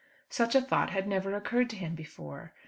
Such a thought had never occurred to him before.